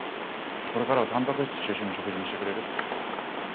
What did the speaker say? これからはタンパク質中心の食事にしてくれる？